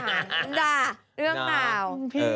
มันด่าเรื่องหนาว